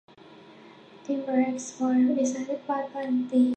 Tiebreakers were decided by penalty.